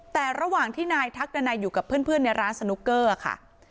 แต่ระหว่างที่นายทักดันัยอยู่กับเพื่อนในร้านสนุกเกอร์ค่ะ